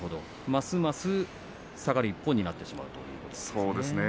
ますます下がる一方になってしまうということですね。